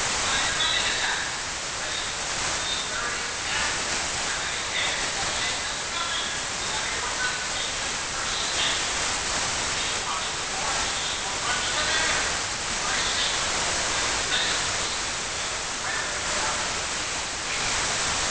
'Why, nothing has happened.' I spoke of her asperity of character, and I added that I had done nothing, and that I would not take the first step. If she wants a divorce, so much the better! My sister in law would not listen to this idea, and went away without having gained anything.